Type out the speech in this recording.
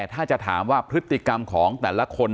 ถ้าจะถามว่าพฤติกรรมของแต่ละคน